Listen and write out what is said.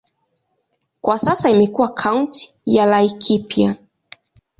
Kwa sasa imekuwa kaunti ya Laikipia.